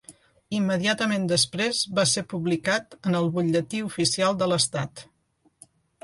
Immediatament després va ser publicat en el Butlletí Oficial de l'Estat.